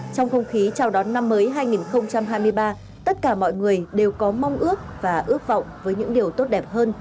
trong không khí chào đón năm mới hai nghìn hai mươi ba tất cả mọi người đều có mong ước và ước vọng với những điều tốt đẹp hơn